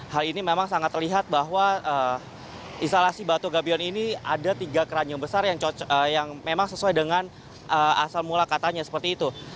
hal ini memang sangat terlihat bahwa instalasi batu gabion ini ada tiga keranjang besar yang memang sesuai dengan asal mula katanya seperti itu